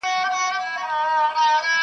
په ځنگله کي چي دي هره ورځ غړومبی سي-